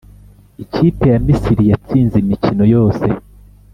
Ikipe ya Misiri yatsinze imikino yose